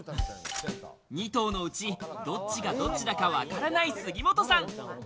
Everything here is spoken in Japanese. ２頭のうち、どっちがどっちかがわからない杉本さん。